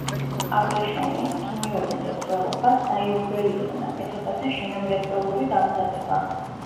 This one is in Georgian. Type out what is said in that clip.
აბრეშუმის, ქიმიური მრეწველობა, საიუველირო ნაკეთობათა შინამრეწველური დამზადება.